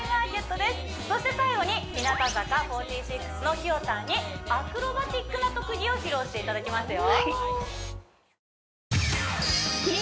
そして最後に日向坂４６のひよたんにアクロバティックな特技を披露していただきますよ